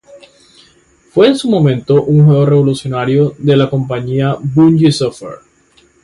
Fue en su momento un juego revolucionario de la compañía Bungie Software.